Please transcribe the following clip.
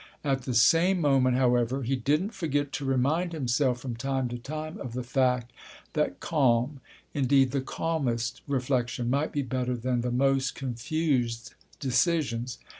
At the same moment, however, he didn't forget to remind himself from time to time of the fact that calm—indeed the calmest—reflection might be better than the most confused decisions.